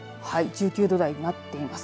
１９度台になっています。